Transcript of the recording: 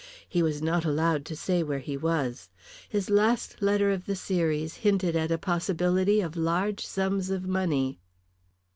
He was not allowed to say where he was. His last letter of the series hinted at a possibility of large sums of money.